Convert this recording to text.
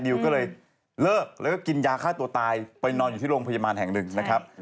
ก็เลยเลิกแล้วก็กินยาฆ่าตัวตายไปนอนอยู่ที่โรงพยาบาลแห่งหนึ่งนะครับ